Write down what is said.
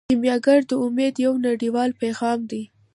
کیمیاګر د امید یو نړیوال پیغام دی.